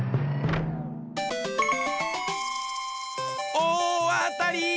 おおあたり！